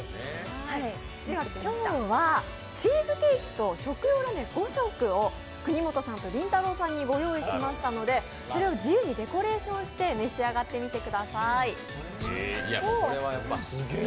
今日はチーズケーキと食用ラメ５色を国本さんとりんたろーさんにご用意しましたのでそれを自由にデコレーションして召し上がってみてください。